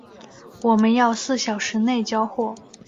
我们要四小时内交货